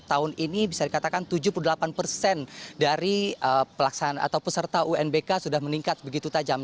tahun ini bisa dikatakan tujuh puluh delapan persen dari pelaksanaan atau peserta unbk sudah meningkat begitu tajam